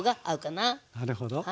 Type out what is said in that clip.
なるほど。